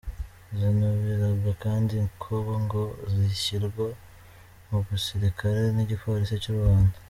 Zinubiraga kandi ko ngo zishyirwa mu gisirikare n’igipolisi cy’u Rwanda.